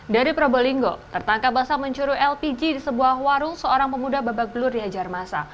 dari probolinggo tertangkap basah mencuru lpg di sebuah warung seorang pemuda babak belur dihajar masa